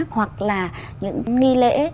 hoặc là những nghi lễ